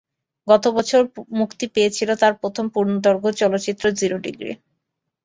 গত বছর মুক্তি পেয়েছিল তাঁর প্রথম পূর্ণদৈর্ঘ্য চলচ্চিত্র জিরো ডিগ্রি।